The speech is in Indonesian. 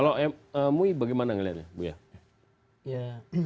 kalau mui bagaimana melihatnya